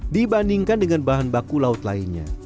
dibandingkan dengan bahan baku laut lainnya